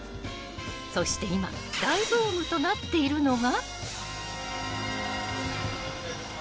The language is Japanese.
そして今大ブームとなっているのが。